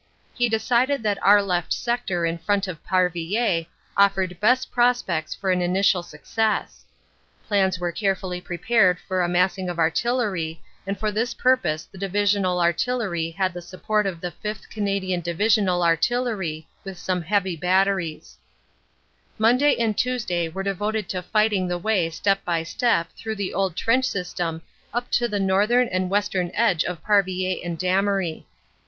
He decided that our left sector in front of Parvillers, offered best prospects for an initial success. Plans were carefully prepared for a massing of artillery and for this purpose the divisional artillery had the support of the 5th, Canadian Divisional Artillery, with some heavy batteries. 64 CANADA S HUNDRED DAYS Monday and Tuesday were devoted to fighting the way step by step through the old trench system up to the northern and western edge of Parvillers and Damery.